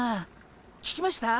聞きました？